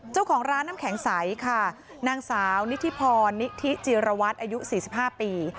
เจ้าของร้านน้ำแข็งใสค่ะนางสาวนิธิพรนิธิจิรวัตรอายุ๔๕ปี